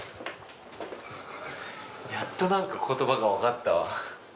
やっとなんか言葉が分かったわ。